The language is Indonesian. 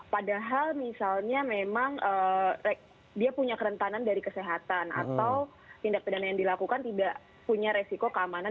padahal misalnya memang dia punya kerentanan dari kesehatan atau tindak pidana yang dilakukan tidak punya resiko keamanan